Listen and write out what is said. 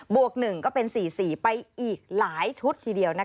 วก๑ก็เป็น๔๔ไปอีกหลายชุดทีเดียว